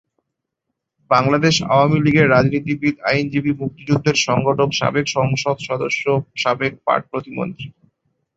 বাংলাদেশ আওয়ামী লীগের রাজনীতিবিদ, আইনজীবী, মুক্তিযুদ্ধের সংগঠক, সাবেক সংসদ সদস্য ও সাবেক পাট প্রতিমন্ত্রী।